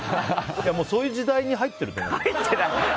そういう時代に入っていると思うよ。